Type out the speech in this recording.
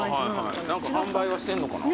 何か販売はしてんのかな。